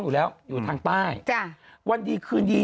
อยากกันเยี่ยม